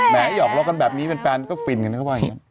แม้ให้ยอบรอกันแบบนี้แฟนก็ฟินนี่เขาบอกอย่างนี้